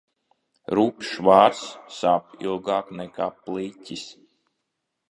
Rupjš vārds sāp ilgāk nekā pliķis.